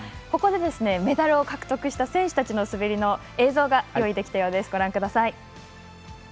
ここでメダルを獲得した選手たちの滑りの映像です。